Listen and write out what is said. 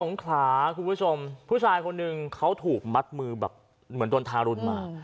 งขลาคุณผู้ชมผู้ชายคนหนึ่งเขาถูกมัดมือแบบเหมือนโดนทารุณมา